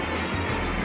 jangan makan aku